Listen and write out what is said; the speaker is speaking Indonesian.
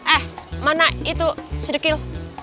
eh mana itu si dekil